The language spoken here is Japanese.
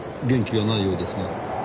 元気がないようですが。